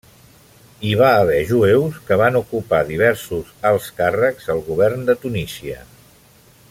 Hi va haver jueus que van ocupar diversos alts càrrecs al govern de Tunísia.